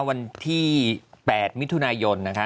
วันที่๘มิถุนายนนะคะ